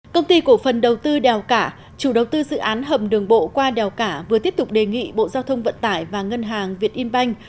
công ty cổ phần đầu tư đèo cả chủ đầu tư dự án hầm đường bộ qua đèo cả vừa tiếp tục đề nghị bộ giao thông vận tải và ngân hàng việt in banh